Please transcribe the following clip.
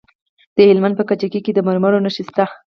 د هلمند په کجکي کې د مرمرو نښې شته.